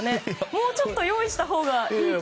もうちょっと用意したほうがいい気も。